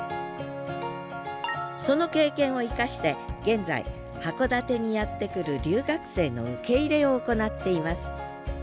その経験を生かして現在函館にやって来る留学生の受け入れを行っています。